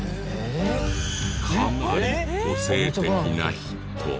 かなり個性的な人。